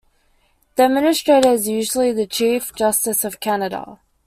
The Administrator is usually the Chief Justice of Canada.